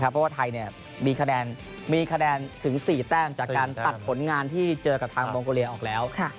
เพราะว่าไทยมีคะแนนถึง๔แต้มจากการตัดผลงานที่เจอกับทางมองโกเลียออกแล้ว